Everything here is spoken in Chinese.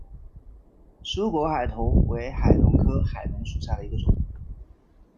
疏果海桐为海桐科海桐属下的一个种。